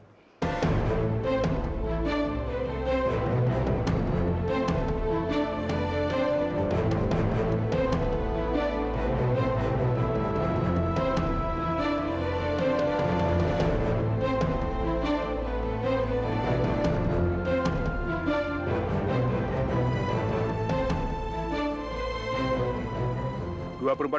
tidak ada yang tahu